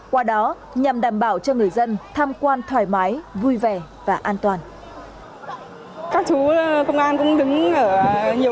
qua đó nhằm đảm bảo cho người dân tham quan thoải mái vui vẻ và an toàn